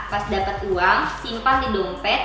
pas dapet uang simpan di dompet